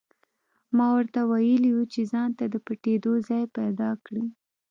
ما ورته ویلي وو چې ځانته د پټېدو ځای پیدا کړي